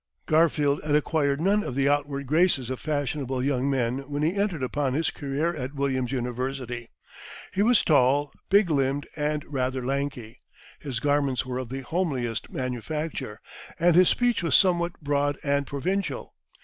Garfield had acquired none of the outward graces of fashionable young men when he entered upon his career at Williams' University. He was tall, big limbed, and rather lanky. His garments were of the homeliest manufacture, and his speech was somewhat broad and provincial.